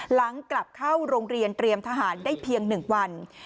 หลังกลับเข้าโรงเรียนเตรียมทหารได้เพียง๑วัน